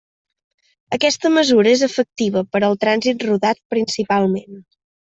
Aquesta mesura és efectiva per al trànsit rodat principalment.